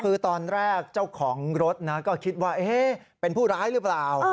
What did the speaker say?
คือตอนแรกเจ้าของรถนะก็คิดว่าเป็นผู้ร้ายหรือเปล่า